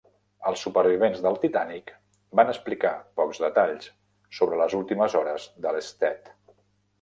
Els supervivents del "Titanic" van explicar pocs detalls sobre les últimes hores de l"Stead.